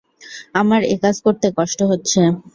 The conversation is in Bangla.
আমার একাজ করতে কষ্ট হচ্ছে না?